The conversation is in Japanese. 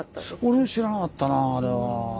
俺も知らなかったなあれは。